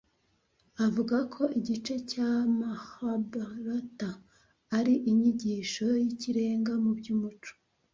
avuga ko igice cya Mahabharata ari inyigisho y’ikirenga mu by’umuco